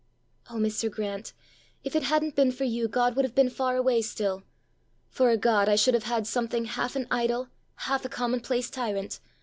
Oh, Mr. Grant, if it hadn't been for you, God would have been far away still! For a God, I should have had something half an idol, half a commonplace tyrant!